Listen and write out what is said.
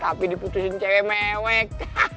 tapi diputusin cewek mewek